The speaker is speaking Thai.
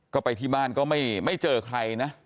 ก็ไปที่บ้านก็ไม่เจอใครนะ